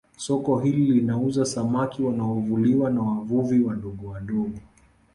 Soko hili linauza samaki wanaovuliwa na wavuvi wadogo wadogo